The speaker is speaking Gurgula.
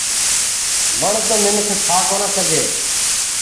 مڻ تو منک کآ ڪونآ سگھينٚ۔